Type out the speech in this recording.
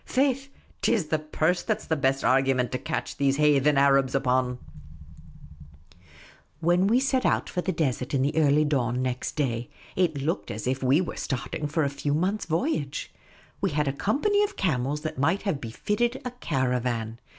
Faix, 't is the purse that 's the best argumint to catch these hay then Arabs upon." The Unobtrusive Oasis 193 When we set out for the desert in the early dawn next day, it looked as if we were starting for a few months' voy age. We had a company of camels that might have befitted a caravan.